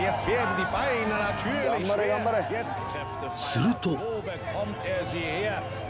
［すると］